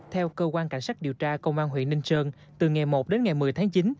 theo cơ quan cảnh sát điều tra công an huyện ninh sơn từ ngày một đến ngày một mươi tháng chín